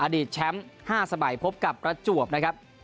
อดีตแชมป์๕สมัยพบกับรัจจวบนะครับ